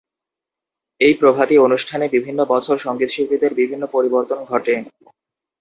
এই প্রভাতী অনুষ্ঠানে বিভিন্ন বছর সঙ্গীতশিল্পীদের বিভিন্ন পরিবর্তন ঘটে।